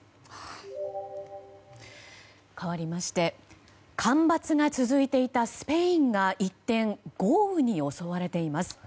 かわりまして干ばつが続いていたスペインが一転豪雨に襲われています。